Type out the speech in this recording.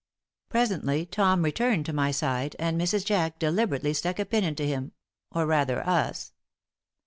Presently Tom returned to my side, and Mrs. Jack deliberately stuck a pin into him or, rather, us.